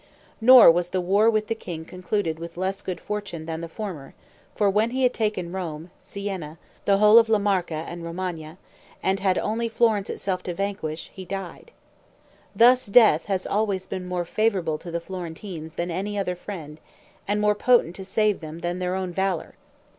Nor was the war with the king concluded with less good fortune than the former; for when he had taken Rome, Sienna, the whole of La Marca and Romagna, and had only Florence itself to vanquish, he died. Thus death has always been more favorable to the Florentines than any other friend, and more potent to save them than their own valor.